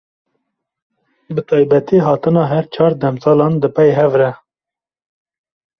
Bi taybetî hatina her çar demsalan di pey hev re.